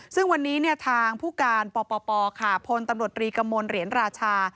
ซึ่งวันนี้ทางผู้การปปพลตำรวจรีกมลเหรียญราชา